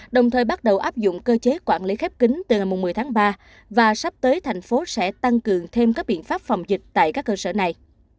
đồng thời bắt đầu áp dụng cơ chế quản lý khép kính từ ngày một mươi tháng ba và sắp tới thành phố sẽ tăng cường thêm các biện pháp phòng dịch tại các cơ sở này